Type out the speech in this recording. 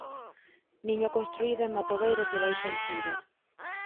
Niño construído en matogueiras de baixa altura.